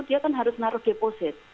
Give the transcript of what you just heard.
dia kan harus naruh deposit